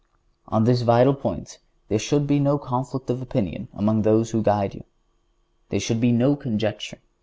On this vital point there should be no conflict of opinion among those that guide you. There should be no conjecture.